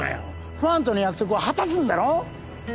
ファンとの約束を果たすんだろ？